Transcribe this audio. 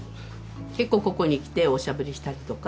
結構ここに来ておしゃべりしたりとか。